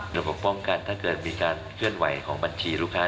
ระบบป้องกันถ้าเกิดมีการเคลื่อนไหวของบัญชีลูกค้า